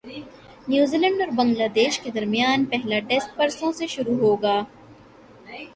نیوزی Zealand Bangladesh کے درمیان پہلا ٹیسٹ پرسوں سے شروع ہوگا